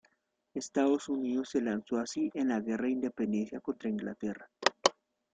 Estados Unidos se lanzó así en la guerra de independencia contra Inglaterra.